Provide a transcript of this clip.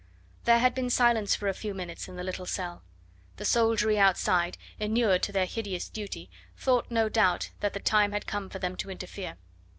There had been silence for a few minutes in the little cell. The soldiery outside, inured to their hideous duty, thought no doubt that the time had come for them to interfere.